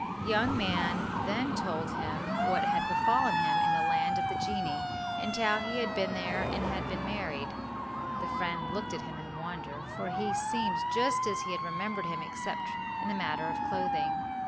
The young man then told him what had befallen him in the land of the genii, and how he had been there and had been married. The friend looked at him in wonder, for he seemed just as he had remembered him except in the matter of clothing.